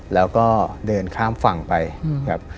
แล้วก็เดินข้ามฝั่งไปครับ